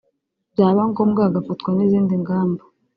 byaba ngombwa hagafatwa n’izindi ngamba